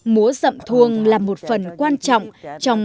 múa rậm thuông là một phần quan trọng